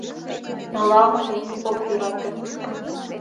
Налам ыле - ок йӧрате